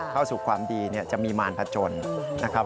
เข้าสู่ความดีจะมีมารพจนนะครับ